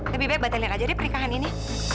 lebih baik batalkan aja deh pernikahan ini